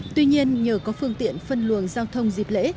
tuy nhiên nhờ có phương tiện phân luồng giao thông dịp lễ